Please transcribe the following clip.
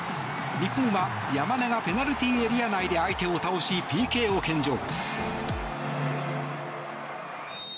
日本は、山根がペナルティーエリア内で相手を倒し、ＰＫを献上。